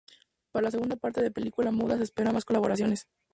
Para la segunda parte de Película Muda se esperan más colaboraciones.